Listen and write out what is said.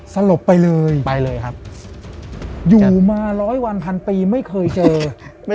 สลบไปเลยครับ